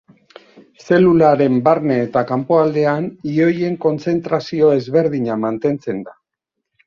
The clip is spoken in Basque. Zelularen barne eta kanpoaldean ioien kontzentrazio ezberdina mantentzen da.